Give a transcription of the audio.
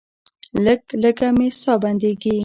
لږه لږه مې ساه بندیږي.